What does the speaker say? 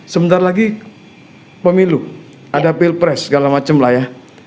sebentar lagi pemilu ada pilpres segala macam lah ya